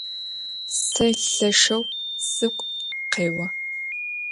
Se lheşşeu sıgu khêo.